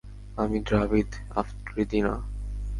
আমি দ্রাভিদ, আফ্রিদি না।